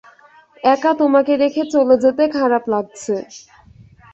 একা তোমাকে রেখে চলে যেতে খারাপ লাগছে।